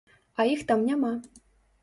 А іх там няма!